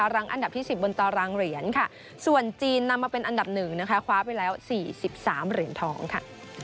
รังอันดับที่๑๐บนตารางเหรียญค่ะส่วนจีนนำมาเป็นอันดับ๑นะคะคว้าไปแล้ว๔๓เหรียญทองค่ะ